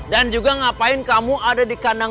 dan juga ngapain kamu ada di kandang